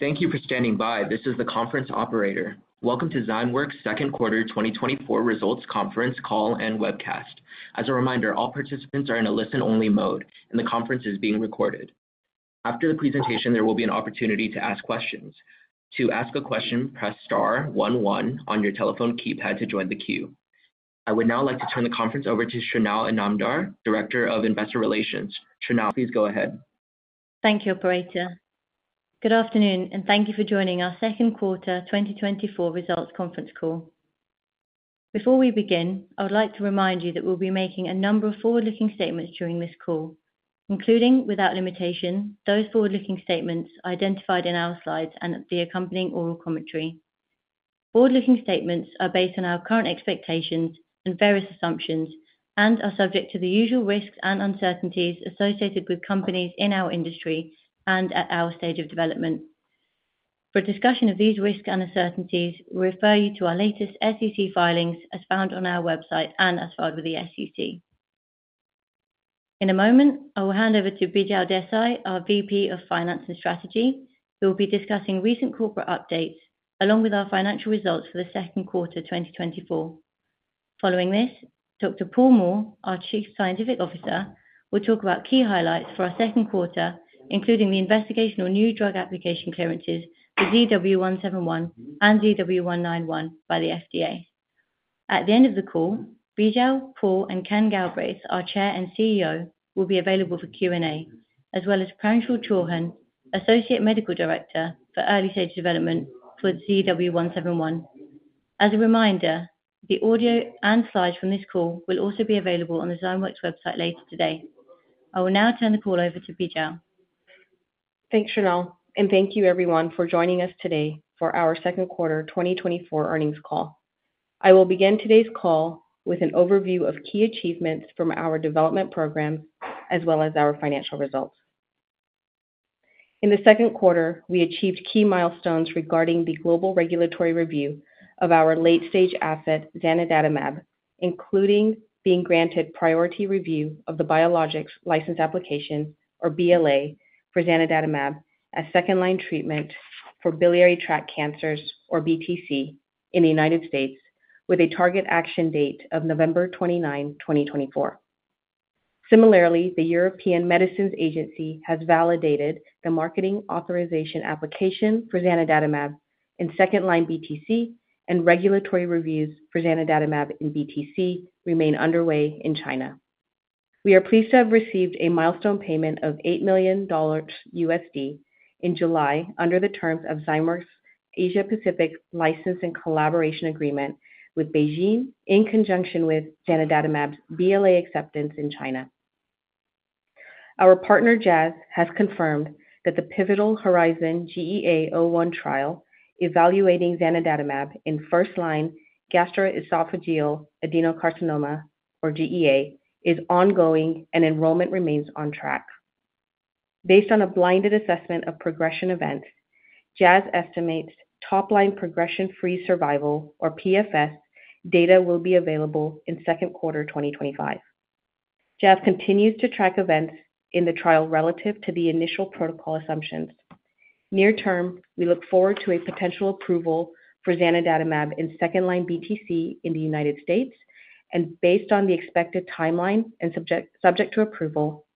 Thank you for standing by. This is the conference operator. Welcome to Zymeworks' second quarter 2024 results conference call and webcast. As a reminder, all participants are in a listen-only mode, and the conference is being recorded. After the presentation, there will be an opportunity to ask questions. To ask a question, press * 11 on your telephone keypad to join the queue. I would now like to turn the conference over to Shrinal Inamdar, Director of Investor Relations. Shrinal, please go ahead. Thank you, Operator. Good afternoon, and thank you for joining our second quarter 2024 results conference call. Before we begin, I would like to remind you that we'll be making a number of forward-looking statements during this call, including, without limitation, those forward-looking statements identified in our slides and the accompanying oral commentary. Forward-looking statements are based on our current expectations and various assumptions and are subject to the usual risks and uncertainties associated with companies in our industry and at our stage of development. For discussion of these risks and uncertainties, we refer you to our latest SEC filings as found on our website and as filed with the SEC. In a moment, I will hand over to Bijal Desai, our VP of Finance and Strategy, who will be discussing recent corporate updates along with our financial results for the second quarter 2024. Following this, Dr. Paul Moore, our Chief Scientific Officer, will talk about key highlights for our second quarter, including the investigation of new drug application clearances for ZW171 and ZW191 by the FDA. At the end of the call, Bijal, Paul, and Ken Galbraith, our Chair and CEO, will be available for Q&A, as well as Paul Chauhan, Associate Medical Director for Early Stage Development for ZW171. As a reminder, the audio and slides from this call will also be available on the Zymeworks website later today. I will now turn the call over to Bijal. Thanks, Shrinal, and thank you, everyone, for joining us today for our second quarter 2024 earnings call. I will begin today's call with an overview of key achievements from our development program, as well as our financial results. In the second quarter, we achieved key milestones regarding the global regulatory review of our late-stage asset, Zanidatamab, including being granted priority review of the Biologics License Application, or BLA, for Zanidatamab as second-line treatment for biliary tract cancers, or BTC, in the United States, with a target action date of November 29, 2024. Similarly, the European Medicines Agency has validated the marketing authorization application for Zanidatamab in second-line BTC, and regulatory reviews for Zanidatamab in BTC remain underway in China. We are pleased to have received a milestone payment of $8 million in July under the terms of Zymeworks' Asia-Pacific License and Collaboration Agreement with BeiGene, in conjunction with Zanidatamab's BLA acceptance in China. Our partner, Jazz, has confirmed that the Pivotal HERIZON-GEA-01 trial evaluating Zanidatamab in first-line gastroesophageal adenocarcinoma, or GEA, is ongoing and enrollment remains on track. Based on a blinded assessment of progression events, Jazz estimates top-line progression-free survival, or PFS, data will be available in second quarter 2025. Jazz continues to track events in the trial relative to the initial protocol assumptions. Near term, we look forward to a potential approval for Zanidatamab in second-line BTC in the United States, and based on the expected timeline and subject to approval,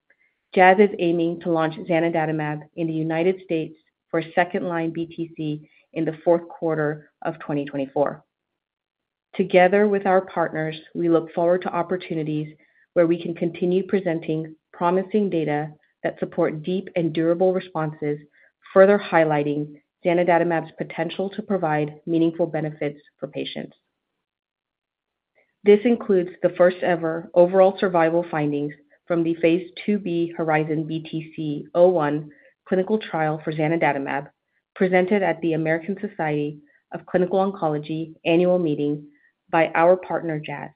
Jazz is aiming to launch Zanidatamab in the United States for second-line BTC in the fourth quarter of 2024. Together with our partners, we look forward to opportunities where we can continue presenting promising data that support deep and durable responses, further highlighting Zanidatamab's potential to provide meaningful benefits for patients. This includes the first-ever overall survival findings from the phase 2b HERIZON-BTC-01 clinical trial for Zanidatamab, presented at the American Society of Clinical Oncology annual meeting by our partner, Jazz.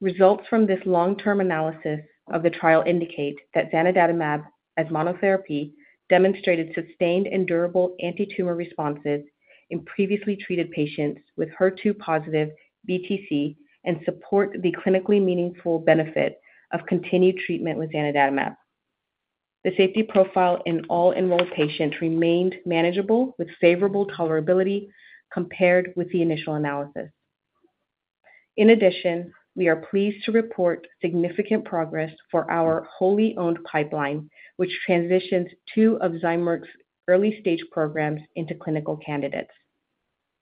Results from this long-term analysis of the trial indicate that Zanidatamab, as monotherapy, demonstrated sustained and durable anti-tumor responses in previously treated patients with HER2-positive BTC and support the clinically meaningful benefit of continued treatment with Zanidatamab. The safety profile in all enrolled patients remained manageable with favorable tolerability compared with the initial analysis. In addition, we are pleased to report significant progress for our wholly owned pipeline, which transitions two of Zymeworks' early-stage programs into clinical candidates.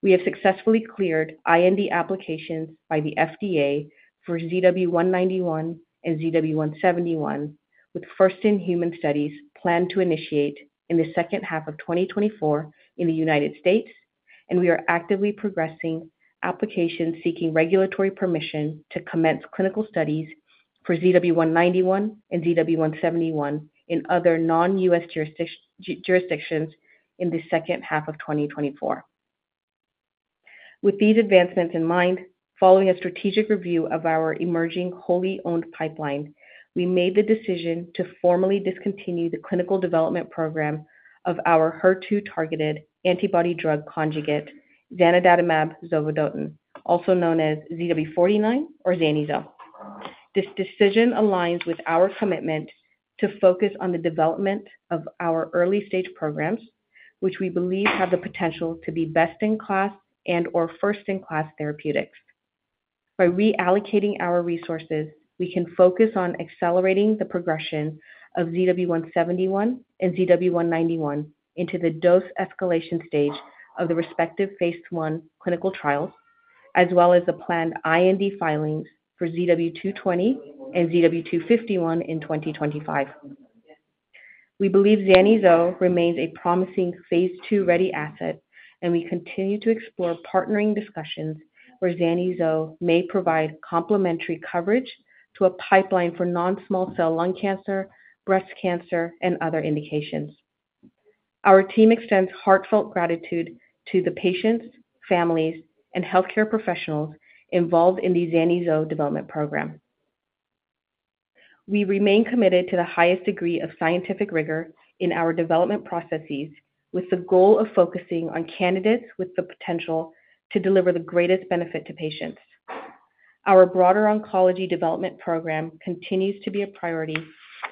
We have successfully cleared IND applications by the FDA for ZW191 and ZW171, with first-in-human studies planned to initiate in the second half of 2024 in the United States, and we are actively progressing applications seeking regulatory permission to commence clinical studies for ZW191 and ZW171 in other non-US jurisdictions in the second half of 2024. With these advancements in mind, following a strategic review of our emerging wholly owned pipeline, we made the decision to formally discontinue the clinical development program of our HER2-targeted antibody drug conjugate, zanidatamab zovodotin, also known as ZW49 or Zani-Zovo. This decision aligns with our commitment to focus on the development of our early-stage programs, which we believe have the potential to be best-in-class and/or first-in-class therapeutics. By reallocating our resources, we can focus on accelerating the progression of ZW171 and ZW191 into the dose escalation stage of the respective Phase 1 clinical trials, as well as the planned IND filings for ZW220 and ZW251 in 2025. We believe Zani-Zovo remains a promising Phase 2-ready asset, and we continue to explore partnering discussions where Zani-Zovo may provide complementary coverage to a pipeline for non-small cell lung cancer, breast cancer, and other indications. Our team extends heartfelt gratitude to the patients, families, and healthcare professionals involved in the Zani-Zovo development program. We remain committed to the highest degree of scientific rigor in our development processes, with the goal of focusing on candidates with the potential to deliver the greatest benefit to patients. Our broader oncology development program continues to be a priority,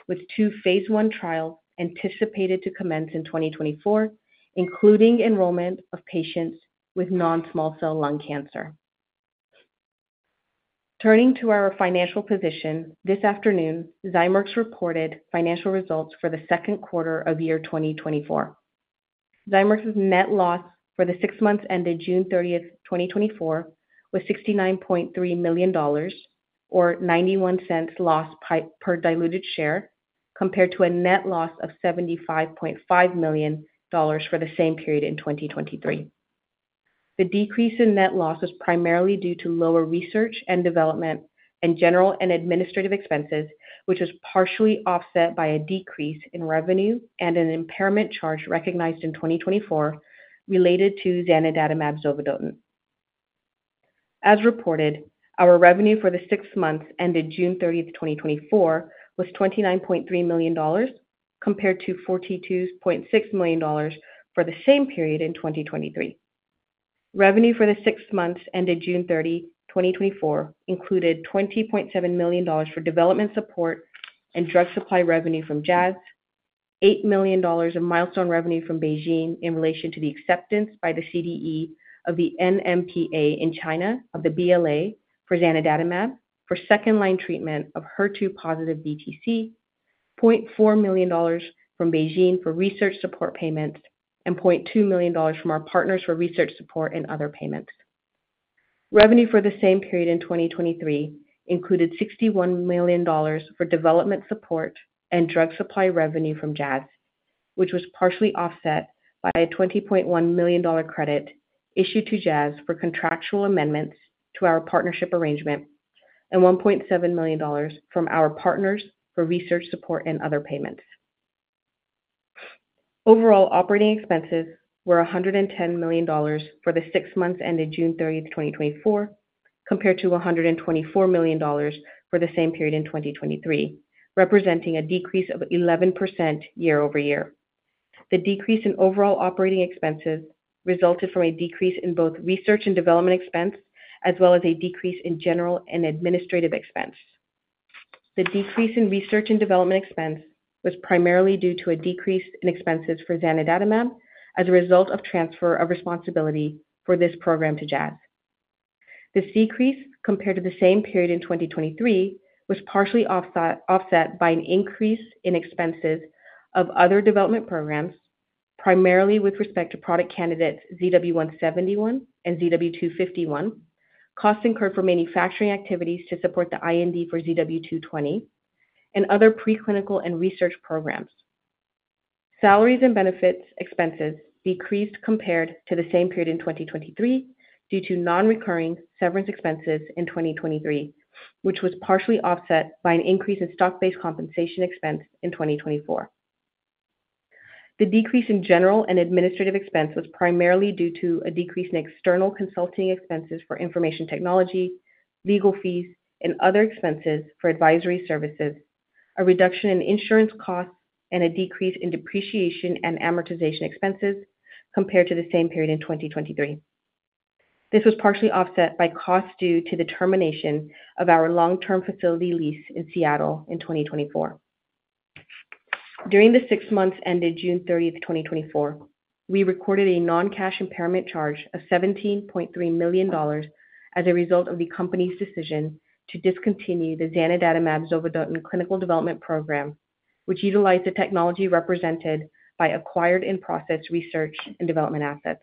with two phase 1 trials anticipated to commence in 2024, including enrollment of patients with non-small cell lung cancer. Turning to our financial position, this afternoon, Zymeworks reported financial results for the second quarter of year 2024. Zymeworks' net loss for the six months ended June 30, 2024, was $69.3 million, or $0.91 loss per diluted share, compared to a net loss of $75.5 million for the same period in 2023. The decrease in net loss was primarily due to lower research and development and general and administrative expenses, which was partially offset by a decrease in revenue and an impairment charge recognized in 2024 related to Zanidatamab zovodotin. As reported, our revenue for the six months ended June 30, 2024, was $29.3 million, compared to $42.6 million for the same period in 2023. Revenue for the six months ended June 30, 2024, included $20.7 million for development support and drug supply revenue from Jazz, $8 million of milestone revenue from BeiGene in relation to the acceptance by the CDE of the NMPA in China of the BLA for Zanidatamab for second-line treatment of HER2-positive BTC, $0.4 million from BeiGene for research support payments, and $0.2 million from our partners for research support and other payments. Revenue for the same period in 2023 included $61 million for development support and drug supply revenue from Jazz, which was partially offset by a $20.1 million credit issued to Jazz for contractual amendments to our partnership arrangement, and $1.7 million from our partners for research support and other payments. Overall operating expenses were $110 million for the six months ended June 30, 2024, compared to $124 million for the same period in 2023, representing a decrease of 11% year-over-year. The decrease in overall operating expenses resulted from a decrease in both research and development expense, as well as a decrease in general and administrative expense. The decrease in research and development expense was primarily due to a decrease in expenses for Zanidatamab as a result of transfer of responsibility for this program to Jazz. This decrease, compared to the same period in 2023, was partially offset by an increase in expenses of other development programs, primarily with respect to product candidates ZW171 and ZW251, costs incurred for manufacturing activities to support the IND for ZW220, and other preclinical and research programs. Salaries and benefits expenses decreased compared to the same period in 2023 due to non-recurring severance expenses in 2023, which was partially offset by an increase in stock-based compensation expense in 2024. The decrease in general and administrative expense was primarily due to a decrease in external consulting expenses for information technology, legal fees, and other expenses for advisory services, a reduction in insurance costs, and a decrease in depreciation and amortization expenses compared to the same period in 2023. This was partially offset by costs due to the termination of our long-term facility lease in Seattle in 2024. During the six months ended June 30, 2024, we recorded a non-cash impairment charge of $17.3 million as a result of the company's decision to discontinue the Zanidatamab zovodotin clinical development program, which utilized the technology represented by acquired and processed research and development assets.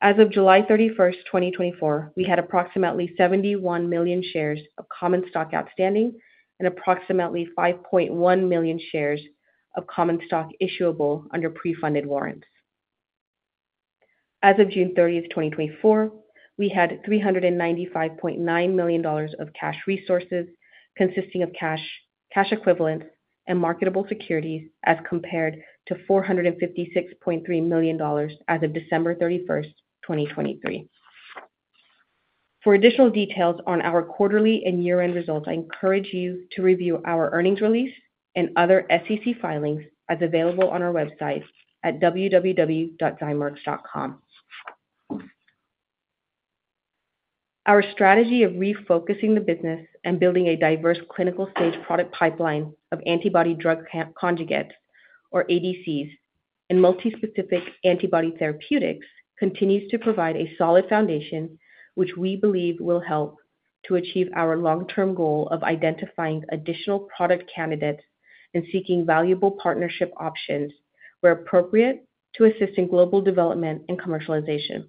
As of July 31, 2024, we had approximately 71 million shares of common stock outstanding and approximately 5.1 million shares of common stock issuable under pre-funded warrants. As of June 30, 2024, we had $395.9 million of cash resources consisting of cash equivalents and marketable securities as compared to $456.3 million as of December 31, 2023. For additional details on our quarterly and year-end results, I encourage you to review our earnings release and other SEC filings as available on our website at www.zymeworks.com. Our strategy of refocusing the business and building a diverse clinical stage product pipeline of antibody-drug conjugates, or ADCs, and multispecific antibody therapeutics continues to provide a solid foundation, which we believe will help to achieve our long-term goal of identifying additional product candidates and seeking valuable partnership options where appropriate to assist in global development and commercialization.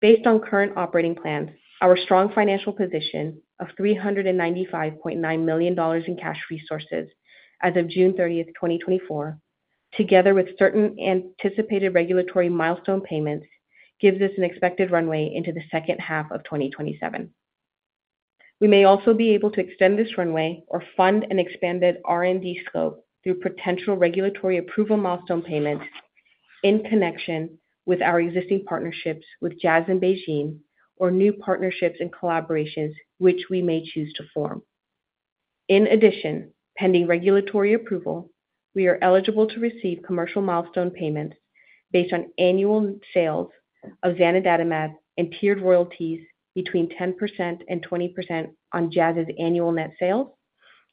Based on current operating plans, our strong financial position of $395.9 million in cash resources as of June 30, 2024, together with certain anticipated regulatory milestone payments, gives us an expected runway into the second half of 2027. We may also be able to extend this runway or fund an expanded R&D scope through potential regulatory approval milestone payments in connection with our existing partnerships with Jazz in BeiGene or new partnerships and collaborations, which we may choose to form. In addition, pending regulatory approval, we are eligible to receive commercial milestone payments based on annual sales of Zanidatamab and tiered royalties between 10% and 20% on Jazz's annual net sales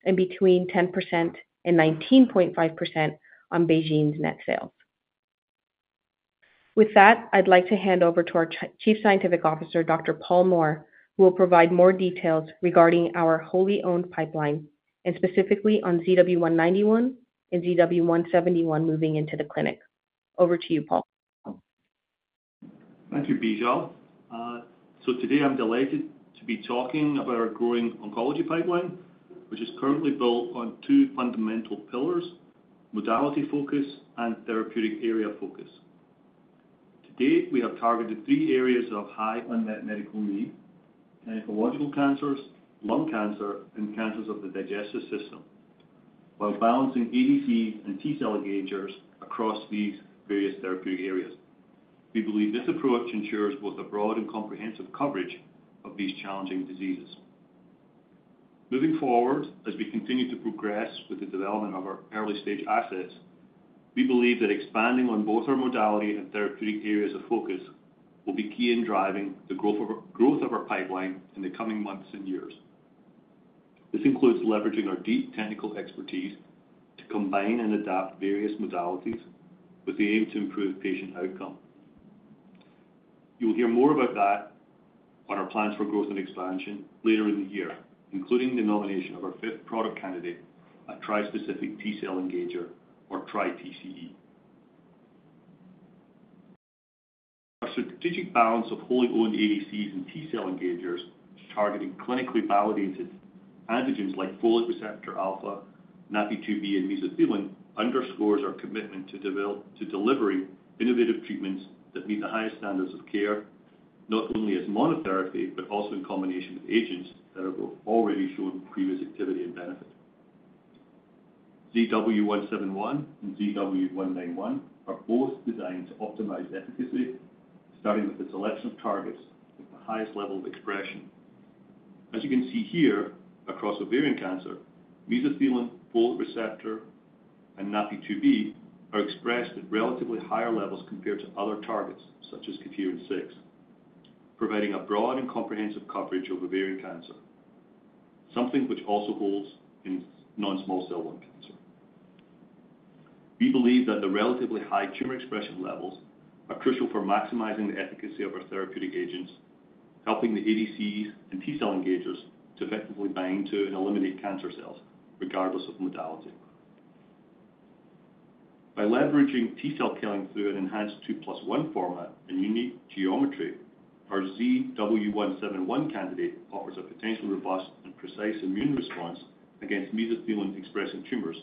and between 10% and 19.5% on BeiGene's net sales. With that, I'd like to hand over to our Chief Scientific Officer, Dr. Paul Moore, who will provide more details regarding our wholly owned pipeline and specifically on ZW191 and ZW171 moving into the clinic. Over to you, Paul. Thank you, Bijal. So today, I'm delighted to be talking about our growing oncology pipeline, which is currently built on two fundamental pillars: modality focus and therapeutic area focus. Today, we have targeted three areas of high unmet medical need: gynecological cancers, lung cancer, and cancers of the digestive system, while balancing ADCs and T-cell engagers across these various therapeutic areas. We believe this approach ensures both a broad and comprehensive coverage of these challenging diseases. Moving forward, as we continue to progress with the development of our early-stage assets, we believe that expanding on both our modality and therapeutic areas of focus will be key in driving the growth of our pipeline in the coming months and years. This includes leveraging our deep technical expertise to combine and adapt various modalities with the aim to improve patient outcome. You'll hear more about that on our plans for growth and expansion later in the year, including the nomination of our fifth product candidate, a tri-specific T-cell engager, or tri-TCE. Our strategic balance of wholly owned ADCs and T-cell engagers targeting clinically validated antigens like folate receptor alpha, NaPi2b, and mesothelin underscores our commitment to delivering innovative treatments that meet the highest standards of care, not only as monotherapy but also in combination with agents that have already shown previous activity and benefit. ZW171 and ZW191 are both designed to optimize efficacy, starting with the selection of targets with the highest level of expression. As you can see here, across ovarian cancer, mesothelin, folate receptor, and NaPi2b are expressed at relatively higher levels compared to other targets, such as cadherin-6, providing a broad and comprehensive coverage of ovarian cancer, something which also holds in non-small cell lung cancer. We believe that the relatively high tumor expression levels are crucial for maximizing the efficacy of our therapeutic agents, helping the ADCs and T-cell engagers to effectively bind to and eliminate cancer cells, regardless of modality. By leveraging T-cell killing through an enhanced 2+1 format and unique geometry, our ZW171 candidate offers a potentially robust and precise immune response against mesothelin-expressing tumors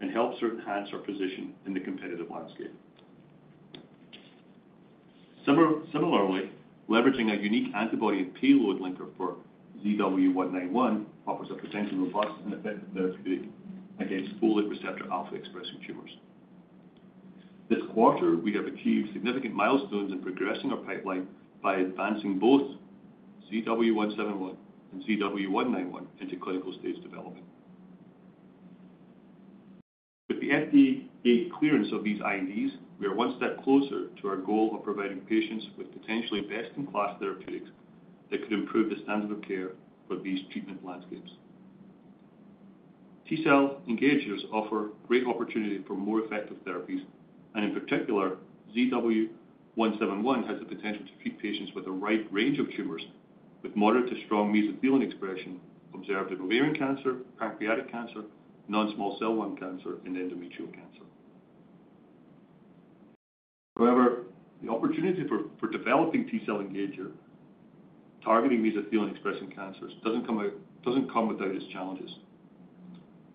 and helps to enhance our position in the competitive landscape. Similarly, leveraging a unique antibody and payload linker for ZW191 offers a potentially robust and effective therapeutic against folate receptor alpha-expressing tumors. This quarter, we have achieved significant milestones in progressing our pipeline by advancing both ZW171 and ZW191 into clinical-stage development. With the FDA clearance of these INDs, we are one step closer to our goal of providing patients with potentially best-in-class therapeutics that could improve the standard of care for these treatment landscapes. T-cell engagers offer great opportunity for more effective therapies, and in particular, ZW171 has the potential to treat patients with a wide range of tumors with moderate to strong mesothelin expression observed in ovarian cancer, pancreatic cancer, non-small cell lung cancer, and endometrial cancer. However, the opportunity for developing T-cell engager targeting mesothelin-expressing cancers doesn't come without its challenges.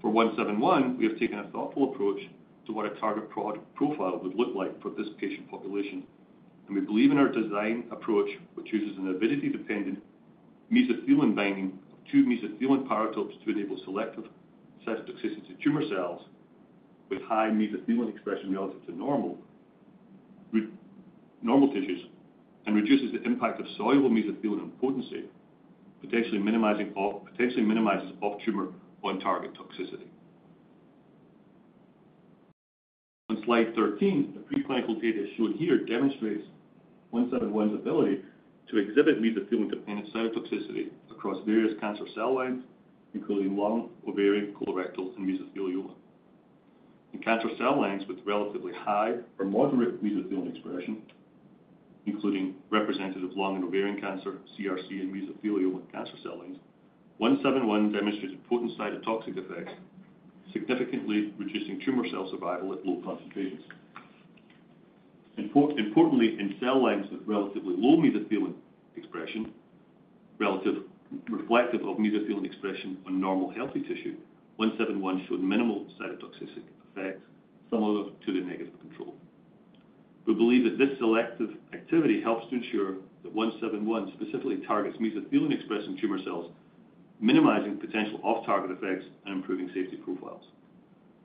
For ZW171, we have taken a thoughtful approach to what a target profile would look like for this patient population, and we believe in our design approach, which uses an avidity-dependent mesothelin binding of two mesothelin paratopes to enable selective cytotoxicity to tumor cells with high mesothelin expression relative to normal tissues and reduces the impact of soluble mesothelin and potentially minimizes off-tumor on-target toxicity. On slide 13, the preclinical data shown here demonstrates ZW171's ability to exhibit mesothelin-dependent cytotoxicity across various cancer cell lines, including lung, ovarian, colorectal, and mesothelioma. In cancer cell lines with relatively high or moderate mesothelin expression, including representative lung and ovarian cancer, CRC, and mesothelioma cancer cell lines, ZW171 demonstrated potent cytotoxic effects, significantly reducing tumor cell survival at low concentrations. Importantly, in cell lines with relatively low mesothelin expression, relatively reflective of mesothelin expression on normal healthy tissue, ZW171 showed minimal cytotoxic effects, similar to the negative control. We believe that this selective activity helps to ensure that ZW171 specifically targets mesothelin-expressing tumor cells, minimizing potential off-target effects and improving safety profiles.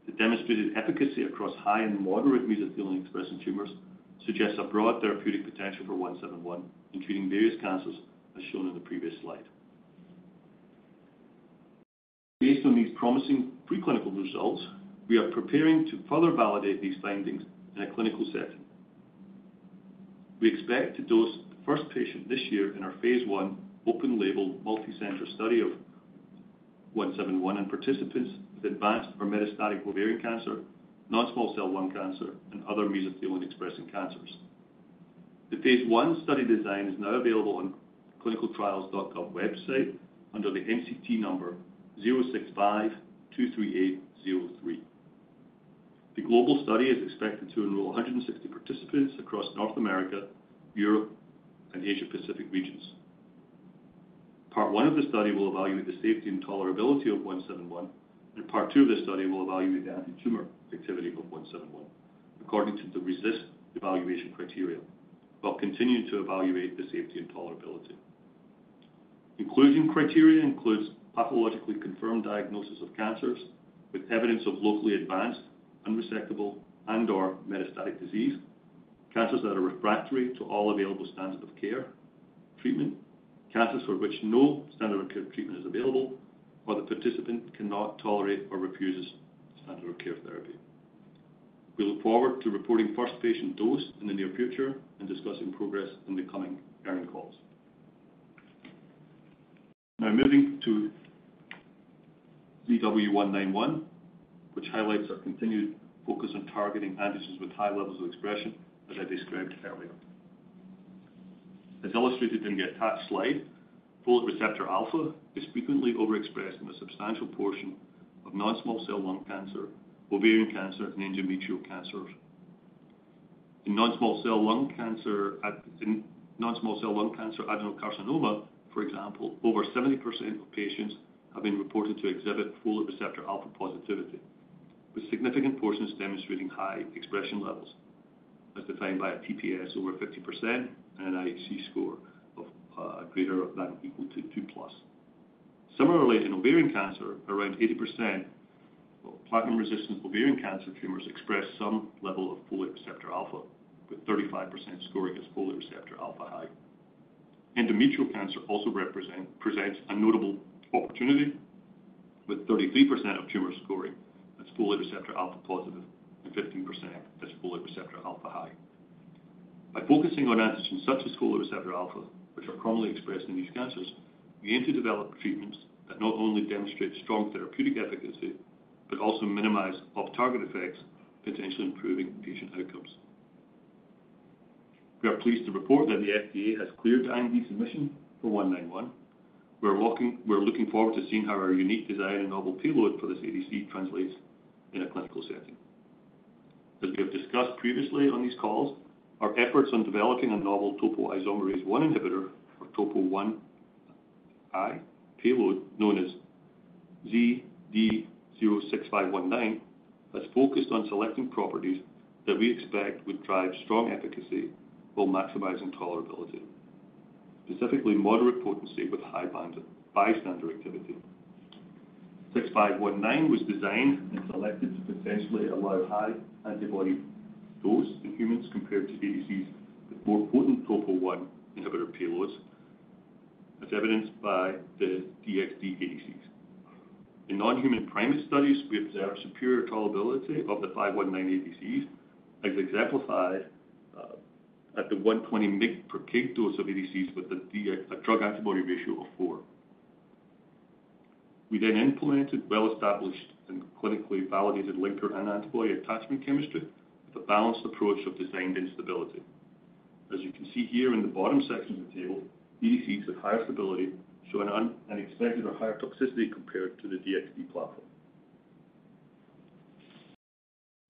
The demonstrated efficacy across high and moderate mesothelin-expressing tumors suggests a broad therapeutic potential for ZW171 in treating various cancers, as shown in the previous slide. Based on these promising preclinical results, we are preparing to further validate these findings in a clinical setting. We expect to dose the first patient this year in our phase 1 open-label multicenter study of ZW171 and participants with advanced or metastatic ovarian cancer, non-small cell lung cancer, and other mesothelin-expressing cancers. The phase 1 study design is now available on ClinicalTrials.gov website under the NCT number 06523803. The global study is expected to enroll 160 participants across North America, Europe, and Asia-Pacific regions. Part one of the study will evaluate the safety and tolerability of ZW171, and part two of the study will evaluate the anti-tumor activity of ZW171 according to the RECIST evaluation criteria, while continuing to evaluate the safety and tolerability. Including criteria includes pathologically confirmed diagnosis of cancers with evidence of locally advanced, unresectable, and/or metastatic disease, cancers that are refractory to all available standards of care, treatment, cancers for which no standard of care treatment is available, or the participant cannot tolerate or refuses standard of care therapy. We look forward to reporting first patient dose in the near future and discussing progress in the coming hearing calls. Now, moving to ZW191, which highlights our continued focus on targeting antigens with high levels of expression, as I described earlier. As illustrated in the attached slide, folate receptor alpha is frequently overexpressed in a substantial portion of non-small cell lung cancer, ovarian cancer, and endometrial cancers. In non-small cell lung cancer, adenocarcinoma, for example, over 70% of patients have been reported to exhibit folate receptor alpha positivity, with significant portions demonstrating high expression levels, as defined by a TPS over 50% and an IHC score of greater than or equal to 2+. Similarly, in ovarian cancer, around 80% of platinum-resistant ovarian cancer tumors express some level of folate receptor alpha, with 35% scoring as folate receptor alpha high. Endometrial cancer also presents a notable opportunity, with 33% of tumors scoring as folate receptor alpha positive and 15% as folate receptor alpha high. By focusing on antigens such as folate receptor alpha, which are commonly expressed in these cancers, we aim to develop treatments that not only demonstrate strong therapeutic efficacy but also minimize off-target effects, potentially improving patient outcomes. We are pleased to report that the FDA has cleared IND submission for 191. We're looking forward to seeing how our unique design and novel payload for this ADC translates in a clinical setting. As we have discussed previously on these calls, our efforts on developing a novel topoisomerase I inhibitor, or topo I payload, known as ZD06519, has focused on selecting properties that we expect would drive strong efficacy while maximizing tolerability, specifically moderate potency with high bystander activity. ZD06519 was designed and selected to potentially allow high antibody dose in humans compared to ADCs with more potent topo I inhibitor payloads, as evidenced by the DXd ADCs. In non-human primate studies, we observed superior tolerability of the ZW191 ADCs, as exemplified at the 120 mg/kgose of ADCs with a drug-antibody ratio of 4. We then implemented well-established and clinically validated linker and antibody attachment chemistry with a balanced approach of designed instability. As you can see here in the bottom section of the table, ADCs with higher stability show an expected or higher toxicity compared to the DXd platform.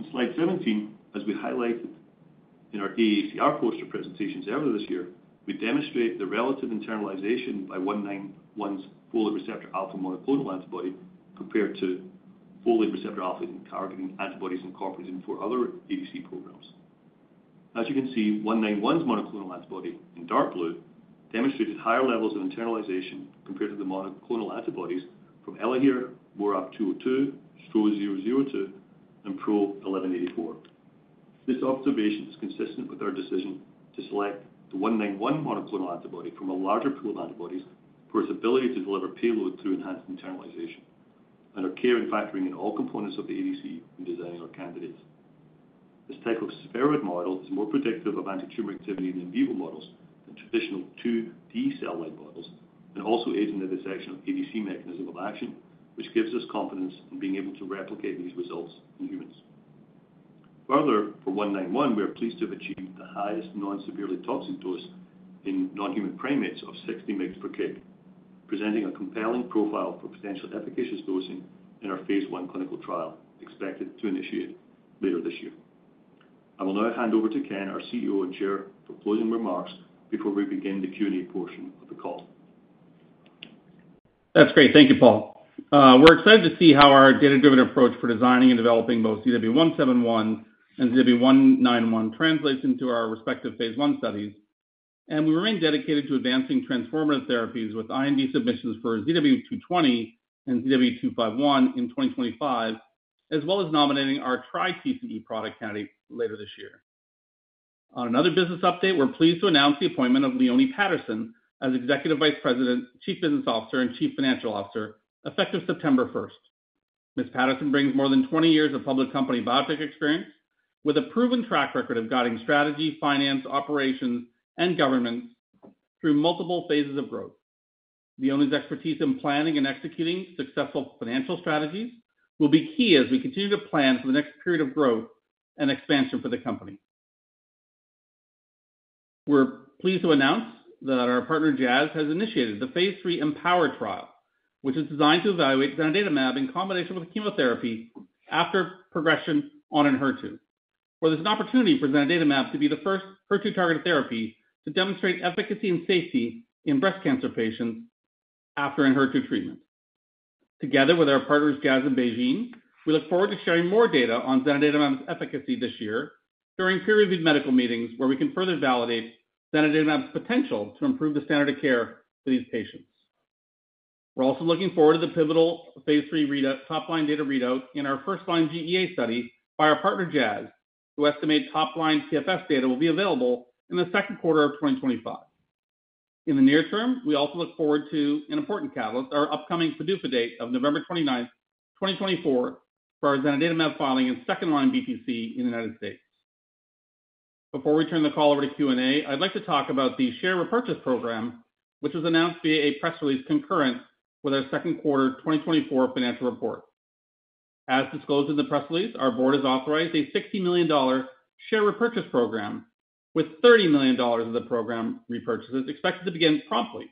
On slide 17, as we highlighted in our AACR poster presentations earlier this year, we demonstrate the relative internalization by ZW191's folate receptor alpha monoclonal antibody compared to folate receptor alpha targeting antibodies incorporated in four other ADC programs. As you can see, ZW191's monoclonal antibody in dark blue demonstrated higher levels of internalization compared to the monoclonal antibodies from ELAHERE, MORAb-202, STRO-002, and PRO-1184. This observation is consistent with our decision to select the 191 monoclonal antibody from a larger pool of antibodies for its ability to deliver payload through enhanced internalization and our care in factoring in all components of the ADC when designing our candidates. This type of spheroid model is more predictive of anti-tumor activity in in vivo models than traditional 2D cell line models and also aids in the dissection of ADC mechanism of action, which gives us confidence in being able to replicate these results in humans. Further, for 191, we are pleased to have achieved the highest non-severely toxic dose in non-human primates of 60 mg/kg, presenting a compelling profile for potential efficacious dosing in our phase 1 clinical trial expected to initiate later this year. I will now hand over to Ken, our CEO and Chair, for closing remarks before we begin the Q&A portion of the call. That's great. Thank you, Paul. We're excited to see how our data-driven approach for designing and developing both ZW171 and ZW191 translates into our respective phase 1 studies, and we remain dedicated to advancing transformative therapies with IND submissions for ZW220 and ZW251 in 2025, as well as nominating our Tri-TCE product candidate later this year. On another business update, we're pleased to announce the appointment of Leonie Patterson as Executive Vice President, Chief Business Officer, and Chief Financial Officer effective September 1st. Ms. Patterson brings more than 20 years of public company biotech experience with a proven track record of guiding strategy, finance, operations, and governance through multiple phases of growth. Leonie's expertise in planning and executing successful financial strategies will be key as we continue to plan for the next period of growth and expansion for the company. We're pleased to announce that our partner Jazz has initiated the phase 3 EmpowHER trial, which is designed to evaluate Zanidatamab in combination with chemotherapy after progression on Enhertu, where there's an opportunity for Zanidatamab to be the first HER2 targeted therapy to demonstrate efficacy and safety in breast cancer patients after Enhertu treatment. Together with our partners Jazz and BeiGene, we look forward to sharing more data on Zanidatamab's efficacy this year during peer-reviewed medical meetings where we can further validate Zanidatamab's potential to improve the standard of care for these patients. We're also looking forward to the pivotal phase 3 top-line data readout in our first-line GEA study by our partner Jazz, to estimate top-line PFS data will be available in the second quarter of 2025. In the near term, we also look forward to, and important catalyst, our upcoming PDUFA date of November 29, 2024, for our Zanidatamab filing in second-line BTC in the United States. Before we turn the call over to Q&A, I'd like to talk about the share repurchase program, which was announced via a press release concurrent with our second quarter 2024 financial report. As disclosed in the press release, our board has authorized a $60 million share repurchase program, with $30 million of the program repurchases expected to begin promptly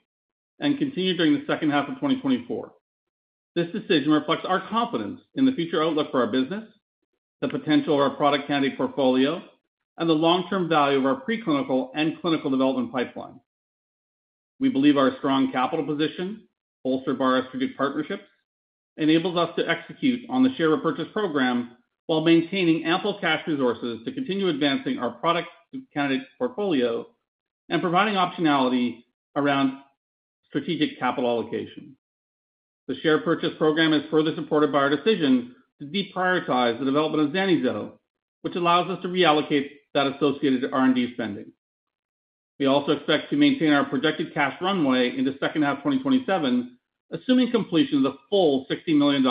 and continue during the second half of 2024. This decision reflects our confidence in the future outlook for our business, the potential of our product candidate portfolio, and the long-term value of our preclinical and clinical development pipeline. We believe our strong capital position, bolstered by our strategic partnerships, enables us to execute on the share repurchase program while maintaining ample cash resources to continue advancing our product candidate portfolio and providing optionality around strategic capital allocation. The share purchase program is further supported by our decision to deprioritize the development of Zani-Zovo, which allows us to reallocate that associated R&D spending. We also expect to maintain our projected cash runway into second half 2027, assuming completion of the full $60 million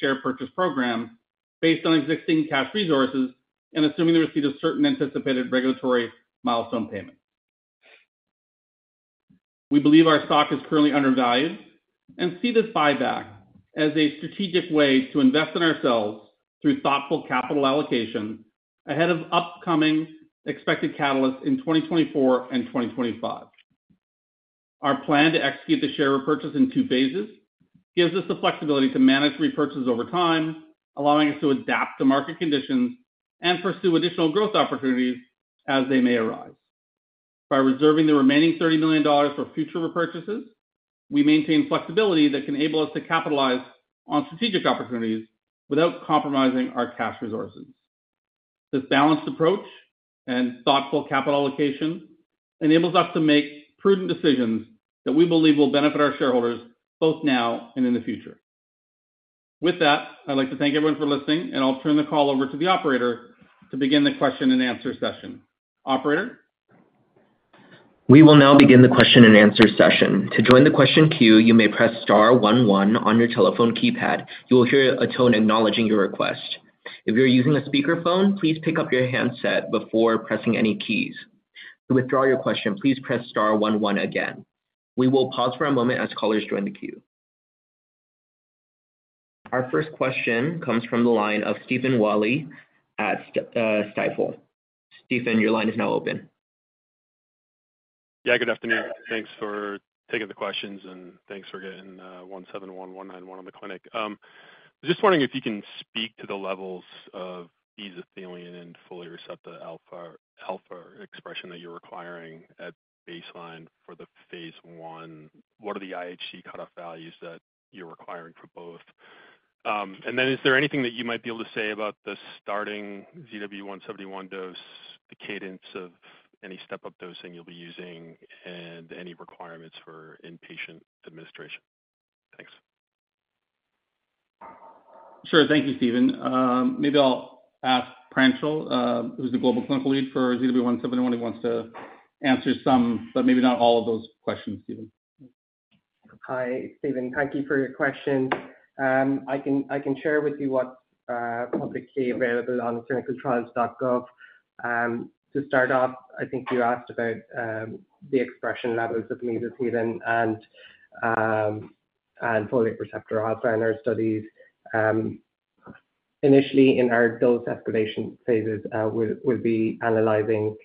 share purchase program based on existing cash resources and assuming the receipt of certain anticipated regulatory milestone payments. We believe our stock is currently undervalued and see this buyback as a strategic way to invest in ourselves through thoughtful capital allocation ahead of upcoming expected catalysts in 2024 and 2025. Our plan to execute the share repurchase in two phases gives us the flexibility to manage repurchases over time, allowing us to adapt to market conditions and pursue additional growth opportunities as they may arise. By reserving the remaining $30 million for future repurchases, we maintain flexibility that can enable us to capitalize on strategic opportunities without compromising our cash resources. This balanced approach and thoughtful capital allocation enables us to make prudent decisions that we believe will benefit our shareholders both now and in the future. With that, I'd like to thank everyone for listening, and I'll turn the call over to the operator to begin the question and answer session. Operator. We will now begin the question and answer session. To join the question queue, you may press * 11 on your telephone keypad. You will hear a tone acknowledging your request. If you're using a speakerphone, please pick up your handset before pressing any keys. To withdraw your question, please press * 11 again. We will pause for a moment as callers join the queue. Our first question comes from the line of Stephen Willey at Stifel. Stephen, your line is now open. Yeah, good afternoon. Thanks for taking the questions, and thanks for getting ZW171, 191 in the clinic. Just wondering if you can speak to the levels of mesothelin and folate receptor alpha expression that you're requiring at the baseline for the phase one. What are the IHC cutoff values that you're requiring for both? Then is there anything that you might be able to say about the starting ZW171 dose, the cadence of any step-up dosing you'll be using, and any requirements for inpatient administration? Thanks. Sure. Thank you, Stephen. Maybe I'll ask Paul, who's the global clinical lead for ZW171, who wants to answer some, but maybe not all of those questions, Stephen. Hi, Stephen. Thank you for your question. I can share with you what's publicly available on ClinicalTrials.gov. To start off, I think you asked about the expression levels of mesothelin and folate receptor alpha in our studies. Initially, in our dose escalation phases, we'll be analyzing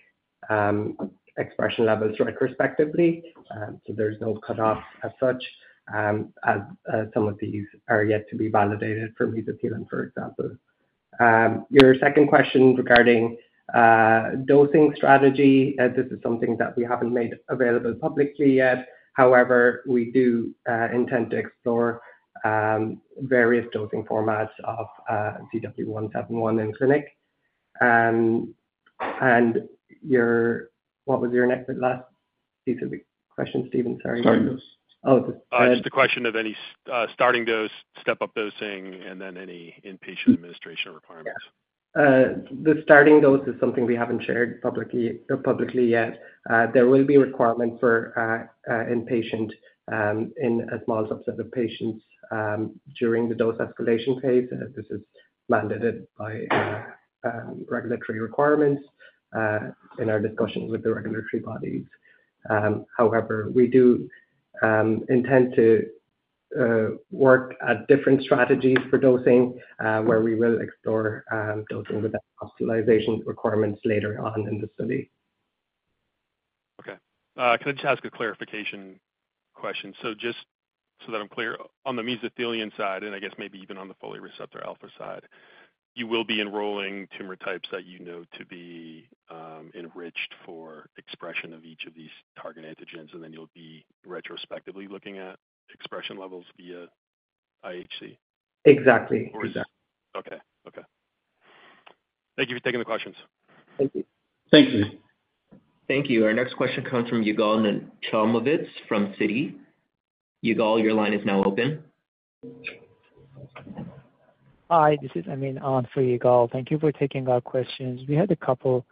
expression levels retrospectively, so there's no cutoff as such, as some of these are yet to be validated for mesothelin, for example. Your second question regarding dosing strategy, this is something that we haven't made available publicly yet. However, we do intend to explore various dosing formats of ZW171 in clinic. And what was your last piece of the question, Stephen? Sorry. Starting dose. Oh, just the question of any starting dose, step-up dosing, and then any inpatient administration requirements. The starting dose is something we haven't shared publicly yet. There will be requirements for inpatient in a small subset of patients during the dose escalation phase. This is mandated by regulatory requirements in our discussions with the regulatory bodies. However, we do intend to work at different strategies for dosing, where we will explore dosing with hospitalization requirements later on in the study. Okay. Can I just ask a clarification question? So just so that I'm clear, on the mesothelin side and I guess maybe even on the folate receptor alpha side, you will be enrolling tumor types that you know to be enriched for expression of each of these target antigens, and then you'll be retrospectively looking at expression levels via IHC? Exactly. Or is that? Okay. Okay. Thank you for taking the questions. Thank you. Thank you. Thank you. Our next question comes from Yigal Nochomovitz from Citi. Yigal, your line is now open. Hi. This is Ashim on for Yigal. Thank you for taking our questions. We had a couple.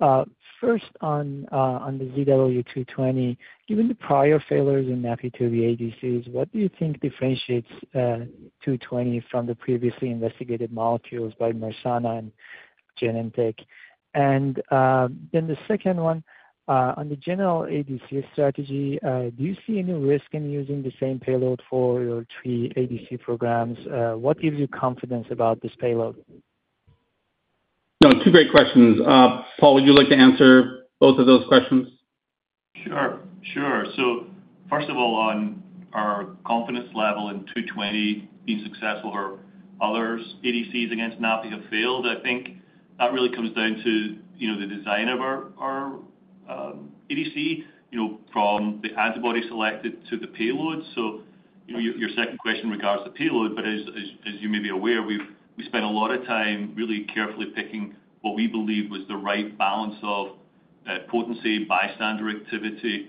First, on the ZW220, given the prior failures in NaPi2b ADCs, what do you think differentiates 220 from the previously investigated molecules by Mersana and Genentech? And then the second one, on the general ADC strategy, do you see any risk in using the same payload for your three ADC programs? What gives you confidence about this payload? Oh, two great questions. Paul, would you like to answer both of those questions? Sure. Sure. So first of all, on our confidence level in 220 being successful, or other ADCs against NaPi2b have failed, I think that really comes down to the design of our ADC, from the antibody selected to the payload. So your second question regards the payload, but as you may be aware, we spent a lot of time really carefully picking what we believe was the right balance of potency, bystander activity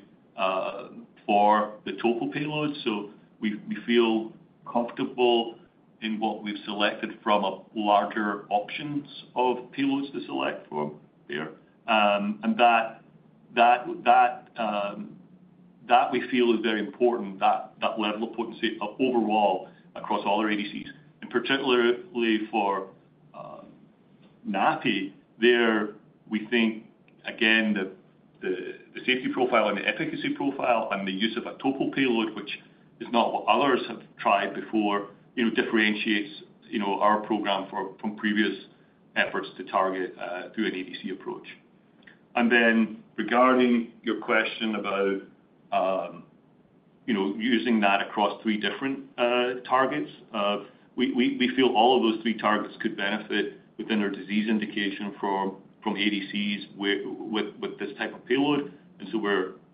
for the total payload. So we feel comfortable in what we've selected from a larger options of payloads to select for there. That we feel is very important, that level of potency overall across all our ADCs. Particularly for NaPi2b, we think, again, the safety profile and the efficacy profile and the use of a novel payload, which is not what others have tried before, differentiates our program from previous efforts to target through an ADC approach. Then regarding your question about using that across three different targets, we feel all of those three targets could benefit within our disease indication from ADCs with this type of payload. So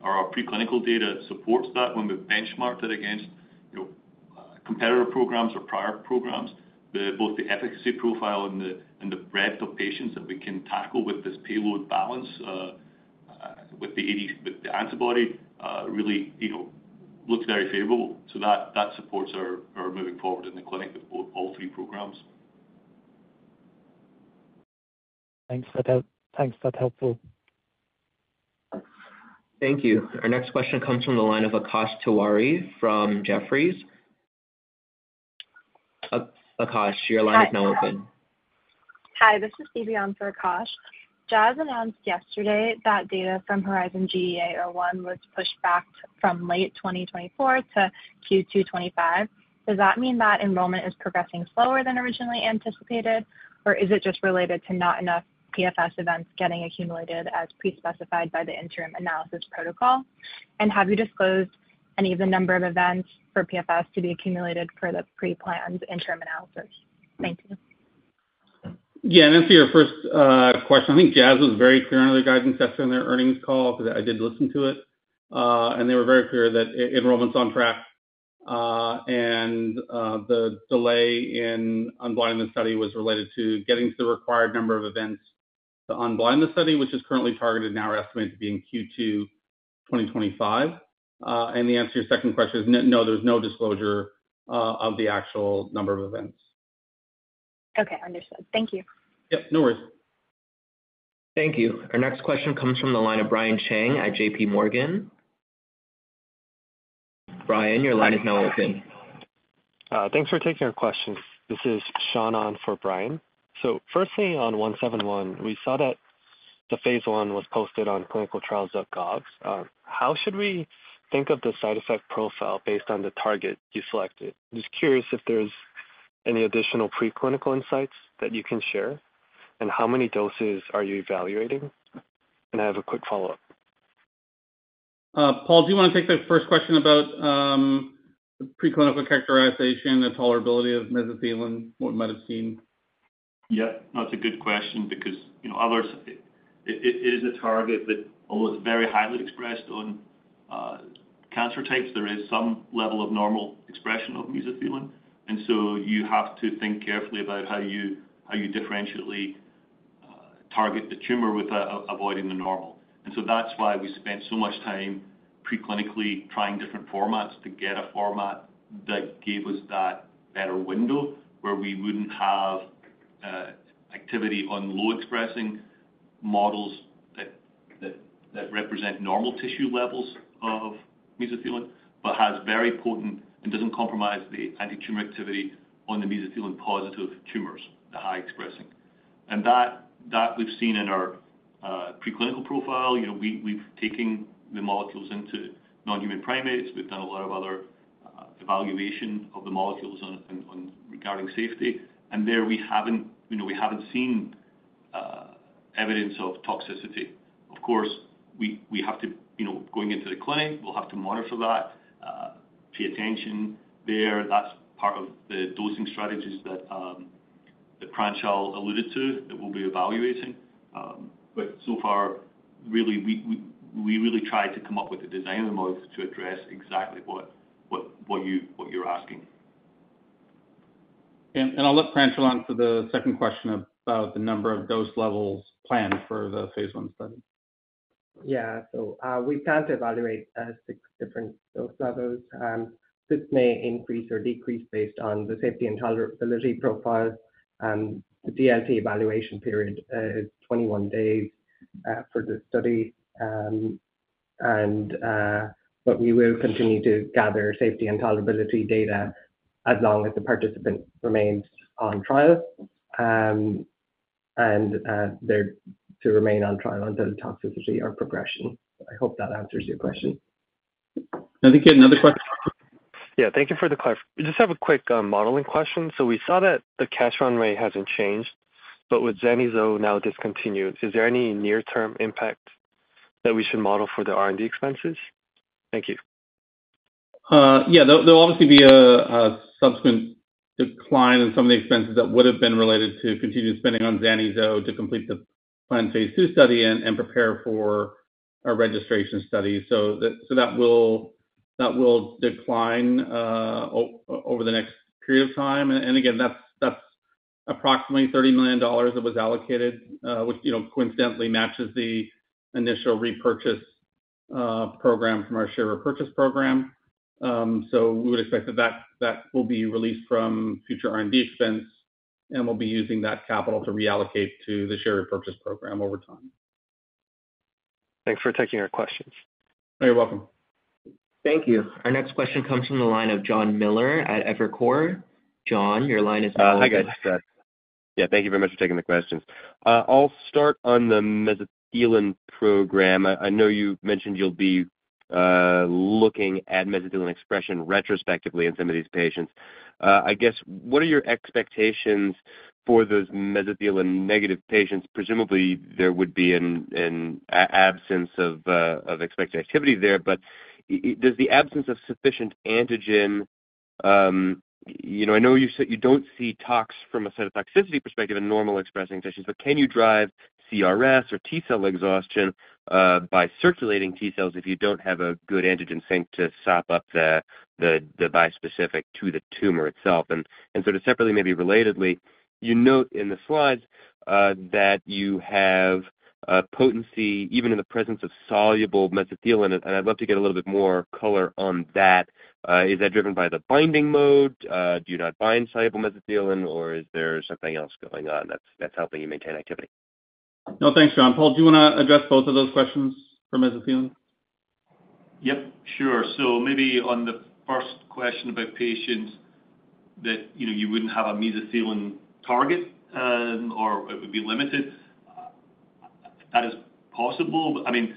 our preclinical data supports that when we benchmark that against competitor programs or prior programs, both the efficacy profile and the breadth of patients that we can tackle with this payload balanced with the antibody really looks very favorable. That supports our moving forward in the clinic with all three programs. Thanks for that. Thanks. That's helpful. Thank you. Our next question comes from the line of Akash Tewari from Jefferies. Akash, your line is now open. Hi. This is Steve on for Akash. Jazz announced yesterday that data from Horizon GEA01 was pushed back from late 2024 to Q2 2025. Does that mean that enrollment is progressing slower than originally anticipated, or is it just related to not enough PFS events getting accumulated as pre-specified by the interim analysis protocol? And have you disclosed any of the number of events for PFS to be accumulated for the pre-planned interim analysis? Thank you. Yeah. And then for your first question, I think Jazz was very clear in their guidance session in their earnings call because I did listen to it. And they were very clear that enrollment's on track. The delay in unblinding the study was related to getting to the required number of events to unblind the study, which is currently targeted now. We're estimating to be in Q2 2025. The answer to your second question is no, there's no disclosure of the actual number of events. Okay. Understood. Thank you. Yep. No worries. Thank you. Our next question comes from the line of Brian Cheng at JPMorgan. Brian, your line is now open. Thanks for taking our questions. This is Sean on for Brian. So first thing on ZW171, we saw that the phase 1 was posted on clinicaltrials.gov. How should we think of the side effect profile based on the target you selected? Just curious if there's any additional preclinical insights that you can share, and how many doses are you evaluating? I have a quick follow-up. Paul, do you want to take the first question about preclinical characterization, the tolerability of mesothelin, what we might have seen? Yep. That's a good question because it is a target that, although it's very highly expressed on cancer types, there is some level of normal expression of mesothelin. And so you have to think carefully about how you differentially target the tumor without avoiding the normal. And so that's why we spent so much time preclinically trying different formats to get a format that gave us that better window where we wouldn't have activity on low-expressing models that represent normal tissue levels of mesothelin, but has very potent and doesn't compromise the anti-tumor activity on the mesothelin-positive tumors, the high-expressing. And that we've seen in our preclinical profile. We've taken the molecules into non-human primates. We've done a lot of other evaluation of the molecules regarding safety. There we haven't seen evidence of toxicity. Of course, we have to, going into the clinic, we'll have to monitor that, pay attention there. That's part of the dosing strategies that Paul alluded to that we'll be evaluating. But so far, really, we really tried to come up with a design of the molecules to address exactly what you're asking. I'll let Paul on for the second question about the number of dose levels planned for the phase 1 study. Yeah. So we plan to evaluate six different dose levels. This may increase or decrease based on the safety and tolerability profile. The DLT evaluation period is 21 days for the study. But we will continue to gather safety and tolerability data as long as the participant remains on trial and to remain on trial until toxicity or progression. I hope that answers your question. I think another question. Yeah. Thank you for the clarification. Just have a quick modeling question. So we saw that the cash runway hasn't changed, but with Zani-Zovo now discontinued, is there any near-term impact that we should model for the R&D expenses? Thank you. Yeah. There'll obviously be a subsequent decline in some of the expenses that would have been related to continued spending on Zani-Zovo to complete the planned phase 2 study and prepare for our registration study. So that will decline over the next period of time. And again, that's approximately $30 million that was allocated, which coincidentally matches the initial repurchase program from our share repurchase program. So we would expect that that will be released from future R&D expense, and we'll be using that capital to reallocate to the share repurchase program over time. Thanks for taking our questions. You're welcome. Thank you. Our next question comes from the line of Jon Miller at Evercore. John, your line is now open. Hi, guys. Yeah. Thank you very much for taking the questions. I'll start on the mesothelin program. I know you mentioned you'll be looking at mesothelin expression retrospectively in some of these patients. I guess, what are your expectations for those mesothelin-negative patients? Presumably, there would be an absence of expected activity there. But does the absence of sufficient antigen? I know you don't see tox from a cytotoxicity perspective in normal expressing tissues, but can you drive CRS or T-cell exhaustion by circulating T-cells if you don't have a good antigen sink to sop up the bispecific to the tumor itself? And sort of separately, maybe relatedly, you note in the slides that you have potency even in the presence of soluble mesothelin. I'd love to get a little bit more color on that. Is that driven by the binding mode? Do you not bind soluble mesothelin, or is there something else going on that's helping you maintain activity? No, thanks, Sean. Paul, do you want to address both of those questions for mesothelin? Yep. Sure. So maybe on the first question about patients that you wouldn't have a mesothelin target or it would be limited, that is possible. I mean,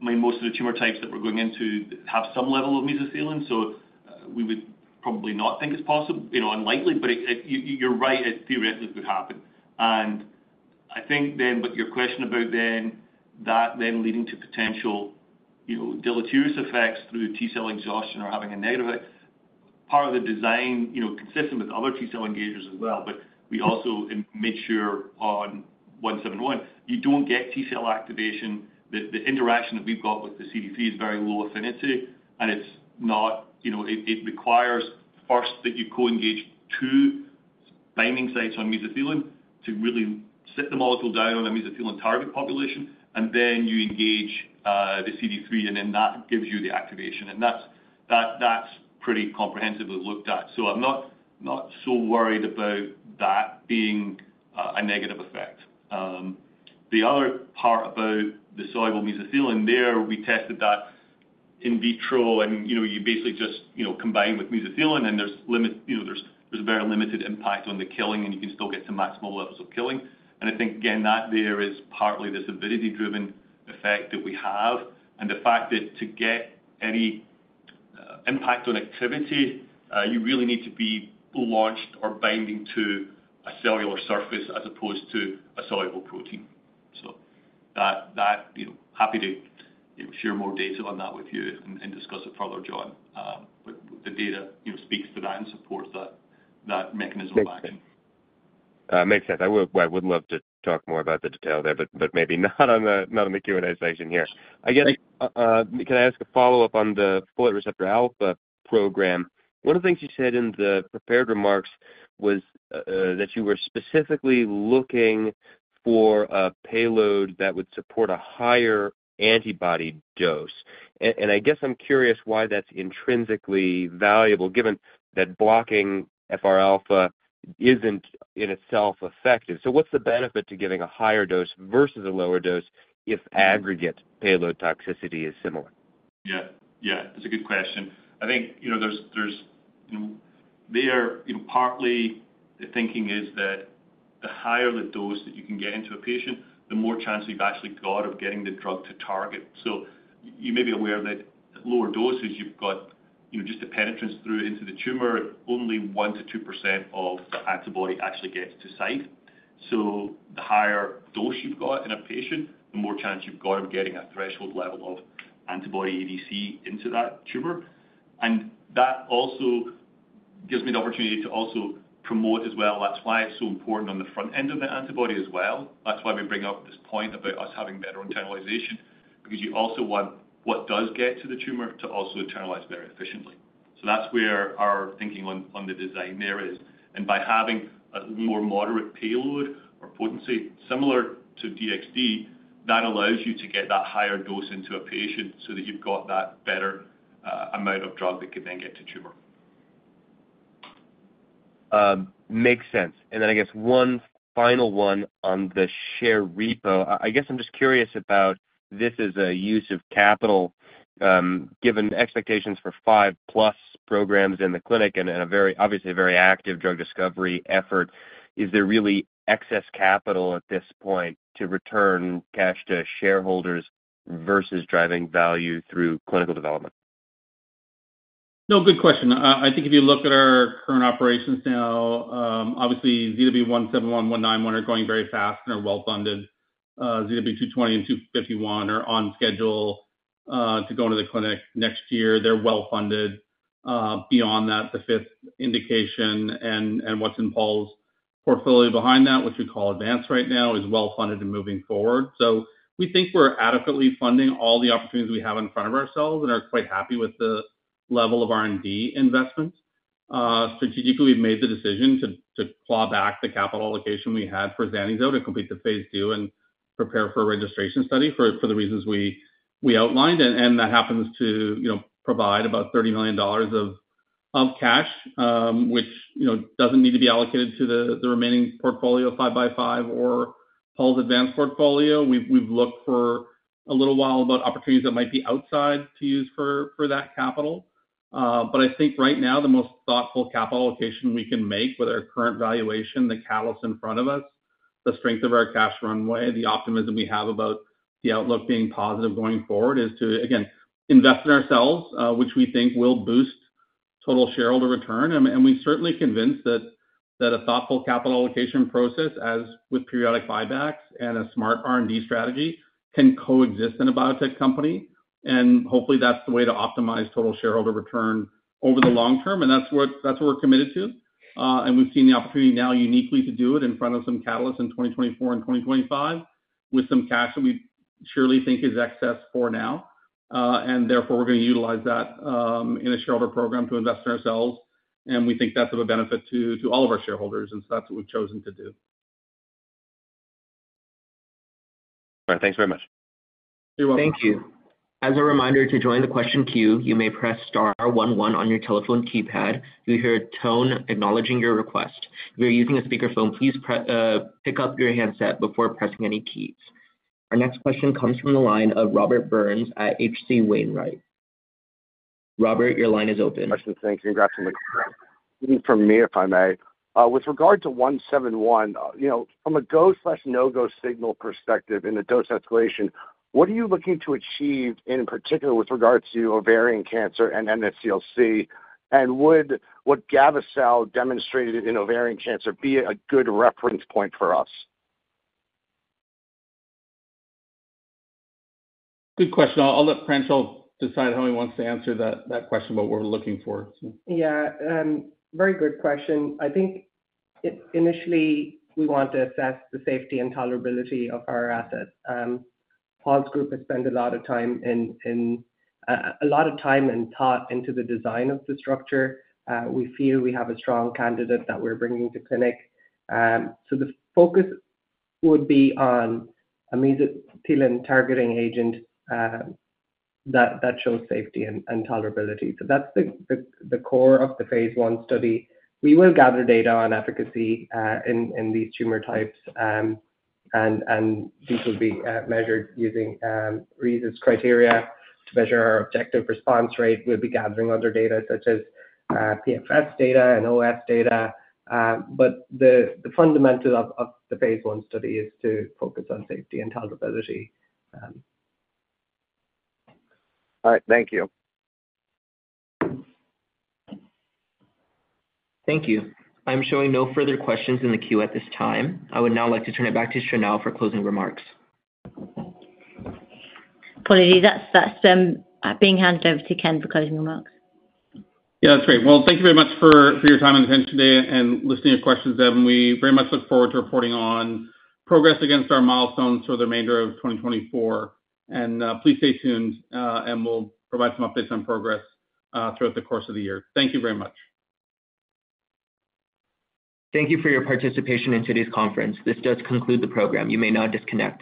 most of the tumor types that we're going into have some level of mesothelin, so we would probably not think it's possible, unlikely. But you're right, it theoretically could happen. And I think then, but your question about then that then leading to potential deleterious effects through T-cell exhaustion or having a negative effect, part of the design consistent with other T-cell engagers as well. But we also made sure on ZW171, you don't get T-cell activation. The interaction that we've got with the CD3 is very low affinity, and it's not it requires first that you co-engage two binding sites on mesothelin to really sit the molecule down on a mesothelin target population, and then you engage the CD3, and then that gives you the activation. And that's pretty comprehensively looked at. So I'm not so worried about that being a negative effect. The other part about the soluble mesothelin, there we tested that in vitro, and you basically just combine with mesothelin, and there's a very limited impact on the killing, and you can still get to maximal levels of killing. And I think, again, that there is partly this avidity-driven effect that we have. And the fact that to get any impact on activity, you really need to be launched or binding to a cellular surface as opposed to a soluble protein. So happy to share more data on that with you and discuss it further, John. But the data speaks to that and supports that mechanism of action. Makes sense. I would love to talk more about the detail there, but maybe not on the Q&A section here. I guess, can I ask a follow-up on the folate receptor alpha program? One of the things you said in the prepared remarks was that you were specifically looking for a payload that would support a higher antibody dose. And I guess I'm curious why that's intrinsically valuable given that blocking FR alpha isn't in itself effective. So what's the benefit to giving a higher dose versus a lower dose if aggregate payload toxicity is similar? Yeah. Yeah. That's a good question. I think there's partly the thinking is that the higher the dose that you can get into a patient, the more chance you've actually got of getting the drug to target. So you may be aware that at lower doses, you've got just the penetrance through into the tumor, only 1%-2% of the antibody actually gets to site. So the higher dose you've got in a patient, the more chance you've got of getting a threshold level of antibody ADC into that tumor. And that also gives me the opportunity to also promote as well. That's why it's so important on the front end of the antibody as well. That's why we bring up this point about us having better internalization because you also want what does get to the tumor to also internalize very efficiently. So that's where our thinking on the design there is. And by having a more moderate payload or potency similar to DXd, that allows you to get that higher dose into a patient so that you've got that better amount of drug that could then get to tumor. Makes sense. And then I guess one final one on the share repo. I guess I'm just curious about this as a use of capital. Given expectations for 5+ programs in the clinic and obviously a very active drug discovery effort, is there really excess capital at this point to return cash to shareholders versus driving value through clinical development? No, good question. I think if you look at our current operations now, obviously ZWZW171, ZW191 are going very fast and are well-funded. ZW220 and ZW251 are on schedule to go into the clinic next year. They're well-funded. Beyond that, the fifth indication and what's in Paul's portfolio behind that, which we call advanced right now, is well-funded and moving forward. So we think we're adequately funding all the opportunities we have in front of ourselves and are quite happy with the level of R&D investment. Strategically, we've made the decision to claw back the capital allocation we had for Zani-Zovo to complete the phase 2 and prepare for registration study for the reasons we outlined. And that happens to provide about $30 million of cash, which doesn't need to be allocated to the remaining portfolio of 5 by 5 or Paul's advanced portfolio. We've looked for a little while about opportunities that might be outside to use for that capital. But I think right now, the most thoughtful capital allocation we can make with our current valuation, the catalyst in front of us, the strength of our cash runway, the optimism we have about the outlook being positive going forward is to, again, invest in ourselves, which we think will boost total shareholder return. We're certainly convinced that a thoughtful capital allocation process, as with periodic buybacks and a smart R&D strategy, can coexist in a biotech company. Hopefully, that's the way to optimize total shareholder return over the long term. That's what we're committed to. We've seen the opportunity now uniquely to do it in front of some catalysts in 2024 and 2025 with some cash that we surely think is excess for now. And therefore, we're going to utilize that in a shareholder program to invest in ourselves. And we think that's of a benefit to all of our shareholders. And so that's what we've chosen to do. All right. Thanks very much. You're welcome. Thank you. As a reminder to join the question queue, you may press star 11 on your telephone keypad. You'll hear a tone acknowledging your request. If you're using a speakerphone, please pick up your handset before pressing any keys. Our next question comes from the line of Robert Burns at HC Wainwright. Robert, your line is open. Thanks. Congratulations. From me, if I may. With regard to ZW171, from a go/no-go signal perspective in the dose escalation, what are you looking to achieve in particular with regard to ovarian cancer and NSCLC? And would gavo-cel demonstrated in ovarian cancer be a good reference point for us? Good question. I'll let Paul decide how he wants to answer that question, what we're looking for. Yeah. Very good question. I think initially, we want to assess the safety and tolerability of our asset. Paul's group has spent a lot of time in a lot of time and thought into the design of the structure. We feel we have a strong candidate that we're bringing to clinic. So the focus would be on a mesothelin targeting agent that shows safety and tolerability. So that's the core of the phase 1 study. We will gather data on efficacy in these tumor types, and these will be measured using RECIST criteria to measure our objective response rate. We'll be gathering other data such as PFS data and OS data. But the fundamental of the phase 1 study is to focus on safety and tolerability. All right. Thank you. Thank you. I'm showing no further questions in the queue at this time. I would now like to turn it back to Ken for closing remarks. Paul, are you there? That's being handed over to Ken for closing remarks. Yeah. That's great. Well, thank you very much for your time and attention today and listening to your questions. We very much look forward to reporting on progress against our milestones for the remainder of 2024. And please stay tuned, and we'll provide some updates on progress throughout the course of the year. Thank you very much. Thank you for your participation in today's conference. This does conclude the program. You may now disconnect.